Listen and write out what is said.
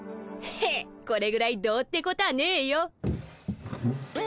ヘッこれぐらいどうってことはねえよ。